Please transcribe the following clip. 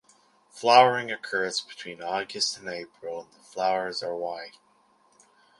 Flowering occurs between August and April and the flowers are white.